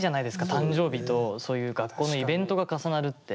誕生日とそういう学校のイベントが重なるって。